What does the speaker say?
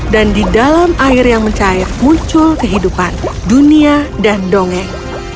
di dalam air yang mencair muncul kehidupan dunia dan dongeng